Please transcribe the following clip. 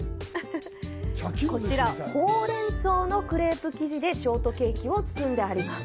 こちらホウレンソウのクレープ生地でショートケーキを包んであります。